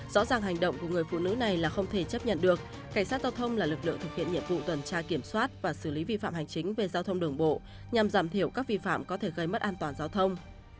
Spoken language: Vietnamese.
rõ ràng hành động của người phụ nữ này là không thể chấp nhận được cảnh sát giao thông là lực lượng thực hiện nhiệm vụ tuần tra kiểm soát và xử lý vi phạm hành chính về giao thông đường bộ nhằm giảm thiểu các vi phạm có thể gây mất an toàn giao thông